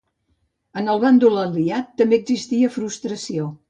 En el bàndol aliat també existia frustració.